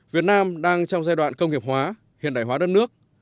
việt nam đang trong giai đoạn công nghiệp hóa hiện đại hóa đất nước